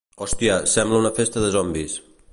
Hòstia, sembla una festa de zombis.